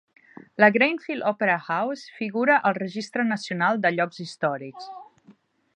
La Grainfield Opera House figura al Registre Nacional de Llocs Històrics.